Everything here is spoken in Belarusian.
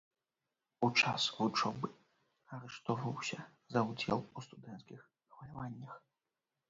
У час вучобы арыштоўваўся за ўдзел у студэнцкіх хваляваннях.